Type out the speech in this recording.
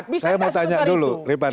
bisa tanya satu soal itu